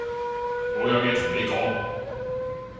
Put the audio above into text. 我有嘢同你講